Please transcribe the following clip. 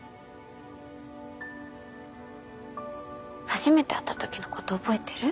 初めて会ったときのこと覚えてる？